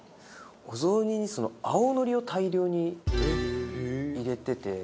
お雑煮にその青のりを大量に入れてて。